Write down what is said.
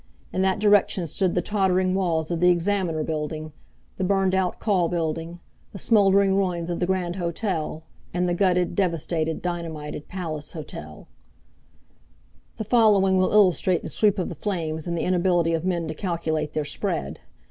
In that direction stood the tottering walls of the Examiner building, the burned out Call building, the smoldering ruins of the Grand Hotel, and the gutted, devastated, dynamited Palace Hotel The following will illustrate the sweep of the flames and the inability of men to calculate their spread.